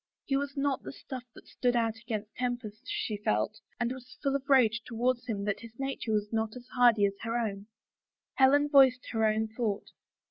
His was not the stuff that stood out against tempest', she felt, and was full of rage towards him that his nature was not as hardy as her own. Helen voiced her own thought.